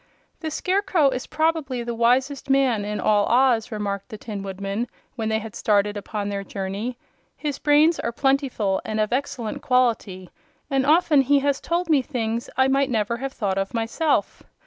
"The Scarecrow is probably the wisest man in all Oz," remarked the Tin Woodman, when they had started upon their journey. "His brains are plentiful and of excellent quality, and often he has told me things I might never have thought of myself.